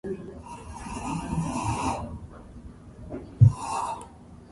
Bryant released several albums on the Carlton and Columbia labels.